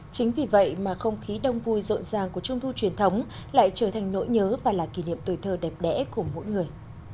chính vì vậy mà không khí đông vui rộn ràng của trung thu truyền thống lại trở thành nỗi nhớ và là kỷ niệm tuổi thơ đẹp đẽ của mỗi người